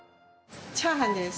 チャーハンです。